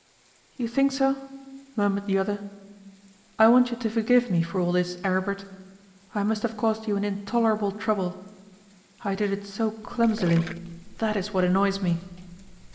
'You think so?' murmured the other. 'I want you to forgive me for all this, Aribert. I must have caused you an intolerable trouble. I did it so clumsily; that is what annoys me.